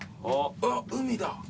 あっ海だ。